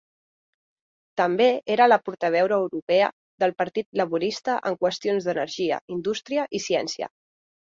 També era la portaveu europea del Partit Laborista en qüestions d'energia, indústria i ciència.